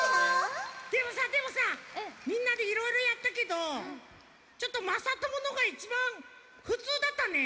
でもさでもさみんなでいろいろやったけどちょっとまさとものがいちばんふつうだったね。